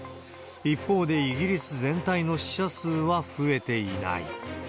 一方で、イギリス全体の死者数は増えていない。